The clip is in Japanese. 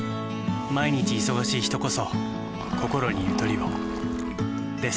毎日忙しい人こそこころにゆとりをです。